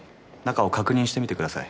中を確認してみてください。